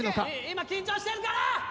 今緊張してるから！